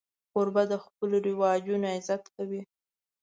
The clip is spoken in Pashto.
کوربه د خپلو رواجونو عزت کوي.